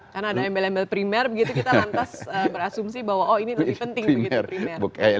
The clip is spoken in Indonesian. karena ada embel embel primer begitu kita lantas berasumsi bahwa oh ini lebih penting begitu primer